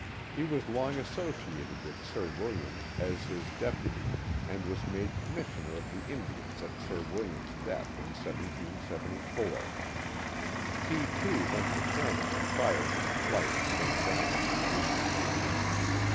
He was long associated with Sir William as his dep uty; and was made commissioner of the Indians at Sir Wil liam's death in 1774. He, too, went to Canada prior to the flight of Sir John and his retainers.